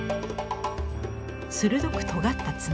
鋭くとがった爪。